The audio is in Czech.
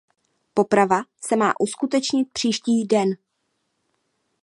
Poprava se má uskutečnit příští den.